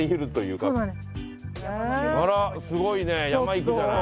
あらすごいね山行くじゃない。